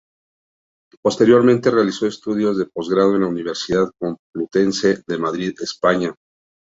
Posteriormente, realizó estudios de posgrado en la Universidad Complutense de Madrid, España.